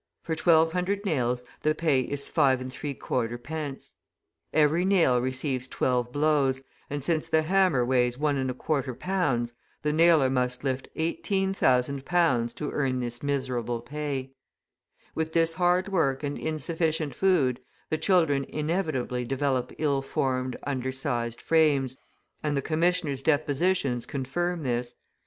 For twelve hundred nails the pay is 5.75d. Every nail receives twelve blows, and since the hammer weighs 1.25 pounds, the nailer must lift 18,000 pounds to earn this miserable pay. With this hard work and insufficient food, the children inevitably develop ill formed, undersized frames, and the commissioners depositions confirm this.